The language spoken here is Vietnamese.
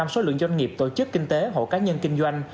một trăm linh số lượng doanh nghiệp tổ chức kinh tế hộ cá nhân kinh doanh